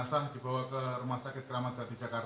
saya tidak akan sampaikan saya sudah tahu